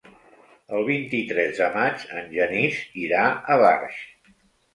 El vint-i-tres de maig en Genís irà a Barx.